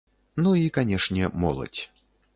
Ну і, канешне, моладзь.